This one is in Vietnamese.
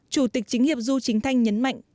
chủ tịch chính hiệp du chính thanh nhấn mạnh